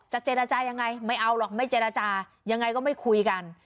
เจรจายังไงไม่เอาหรอกไม่เจรจายังไงก็ไม่คุยกัน